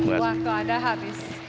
waktu anda habis